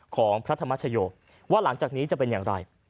ของพระธรรมชโยคว่าหลังจากนี้จะเป็นอย่างไร